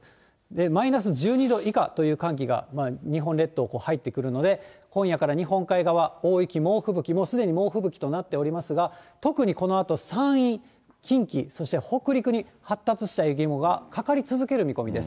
マイナス１２度以下という寒気が日本列島に入ってくるので、今夜から日本海側、大雪、猛吹雪、すでに猛吹雪となっておりますが、特にこのあと山陰、近畿、そして北陸に発達した雪雲がかかり続ける見込みです。